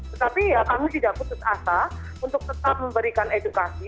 tetapi ya kami tidak putus asa untuk tetap memberikan edukasi